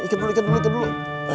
ikat dulu ikat dulu